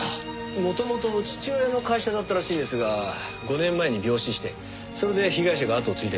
元々父親の会社だったらしいんですが５年前に病死してそれで被害者が跡を継いだようです。